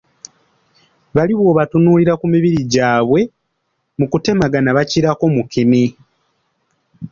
Bali bwobatunuulira ku mubiri gyabwe mukutemagana bakirako mukene!